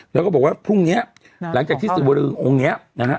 แล้วก็บอกว่าพรุ่งนี้หลังจากที่สื่อบรือองค์นี้นะฮะ